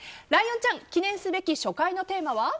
ライオンちゃん記念すべき初回のテーマは？